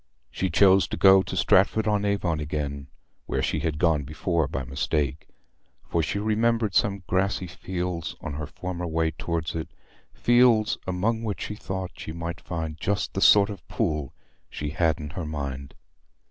She chose to go to Stratford on Avon again, where she had gone before by mistake, for she remembered some grassy fields on her former way towards it—fields among which she thought she might find just the sort of pool she had in her mind.